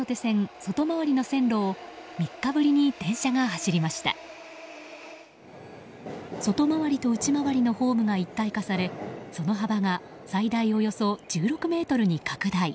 外回りと内回りのホームが一体化されその幅が最大およそ１６ｍに拡大。